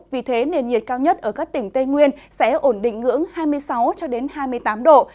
vì thế nền nhiệt cao nhất ở các tỉnh tây nguyên sẽ ổn định ngưỡng hai mươi sáu hai mươi tám độ